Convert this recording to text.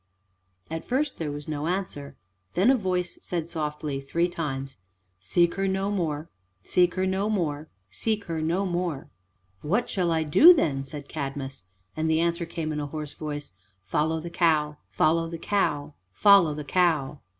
At first there was no answer. Then a voice said softly, three times, "Seek her no more, seek her no more, seek her no more." "What shall I do, then?" said Cadmus. And the answer came, in a hoarse voice, "Follow the cow, follow the cow, follow the cow."